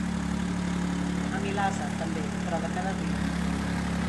Amilasa, també, però de cada dia.